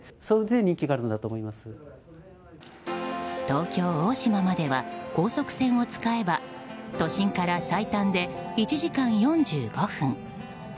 東京・大島までは高速船を使えば都心から最短で１時間４５分。